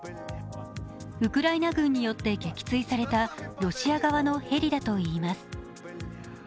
ウクライナ軍によって撃墜されたロシア側のヘリだといいます。